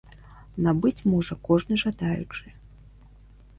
Набыць можа кожны жадаючы.